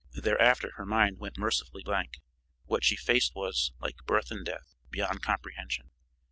Thereafter her mind went mercifully blank, for what she faced was, like birth and death, beyond comprehension.